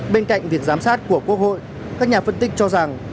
bên cạnh việc giám sát của quốc hội các nhà phân tích cho rằng